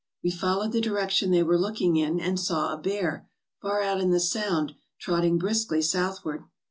We followed the direction they were looking in, and saw a bear, far out in the sound, trotting briskly southward.